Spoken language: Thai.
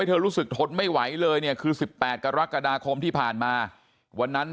เธอรู้สึกทนไม่ไหวเลยเนี่ยคือ๑๘กรกฎาคมที่ผ่านมาวันนั้น